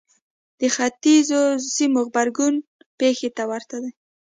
د ختیځو سیمو غبرګون پېښې ته ورته و.